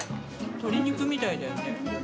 鶏肉みたいだよね。